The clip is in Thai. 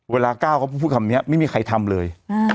เวลาก้าวเขาพูดคำนี้ไม่มีใครทำเลย